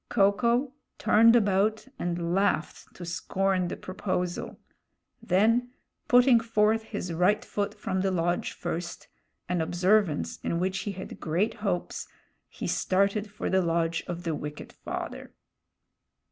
Ko ko turned about and laughed to scorn the proposal. Then putting forth his right foot from the lodge first, an observance in which he had great hopes, he started for the lodge of the wicked father.